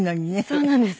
そうなんです。